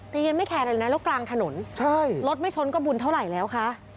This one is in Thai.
แต่ยังไม่แขนอะไรนะแล้วกลางถนนใช่รถไม่ช้นกระบุนเท่าไหร่แล้วค่ะ